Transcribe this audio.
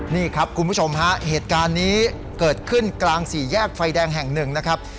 นี่ครับคุณผู้ชมฮะเหตุการณ์นี้เกิดขึ้นกลางสี่แยกไฟแดงแห่งหนึ่งนะครับ